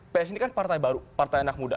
psi ini kan partai baru partai anak muda